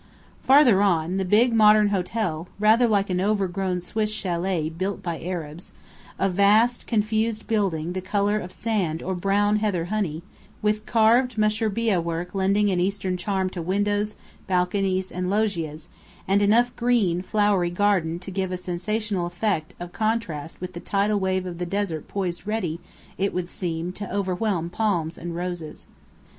Farther on, the big, modern hotel, rather like an overgrown Swiss chalet built by Arabs a vast, confused building the colour of sand or brown heather honey, with carved mushrbiyeh work lending an Eastern charm to windows, balconies, and loggias, and enough green, flowery garden to give a sensational effect of contrast with the tidal wave of desert poised ready, it would seem, to overwhelm palms and roses.